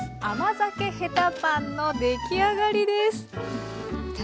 甘酒へたパンの出来上がりです。